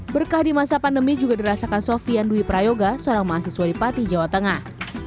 berkah di masa pandemi juga dirasakan sofian dwi prayoga seorang mahasiswa di pati jawa tengah